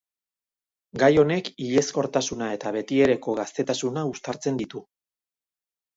Gai honek hilezkortasuna eta betiereko gaztetasuna uztartzen ditu.